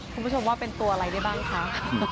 คุณผู้ชมว่าเป็นตัวอะไรได้บ้างคะ